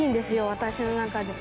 私の中で。